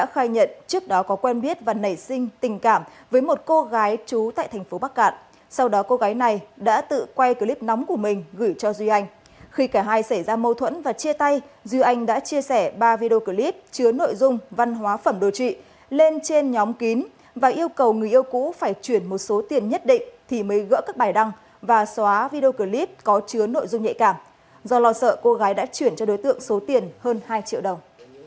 khi cả hai xảy ra mâu thuẫn và chia tay duy anh đã chia sẻ ba video clip chứa nội dung văn hóa phẩm đồ trị lên trên nhóm kín và yêu cầu người yêu cũ phải chuyển một số tiền nhất định thì mới gỡ các bài đăng và xóa video clip có chứa nội dung nhạy cảm do lo sợ cô gái đã chuyển cho đối tượng số tiền hơn hai triệu đồng